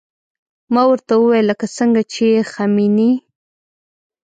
ما ورته وويل لکه څنګه چې خميني.